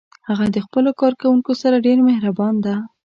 هغه د خپلو کارکوونکو سره ډیر مهربان ده